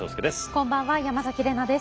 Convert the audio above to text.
こんばんは山崎怜奈です。